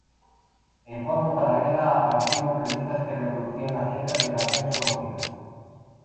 En forma paralela aparecieron revistas que reproducían las letras de canciones conocidas.